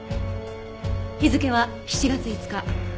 日付は７月５日。